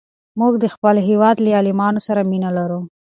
موږ د خپل هېواد له عالمانو سره مینه لرو.